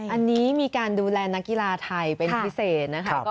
อันนี้มีการดูแลนักกีฬาไทยเป็นพิเศษนะคะ